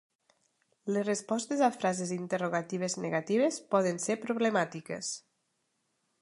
Les respostes a frases interrogatives negatives poden ser problemàtiques.